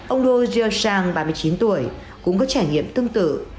ông luo zhe zhang ba mươi chín tuổi cũng có trải nghiệm tương tự